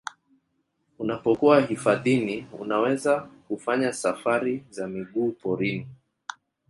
Unapokuwa hifadhini unaweza kufanya safari za miguu porini